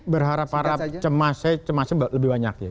berharap harap cemasnya lebih banyak ya